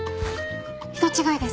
人違いです。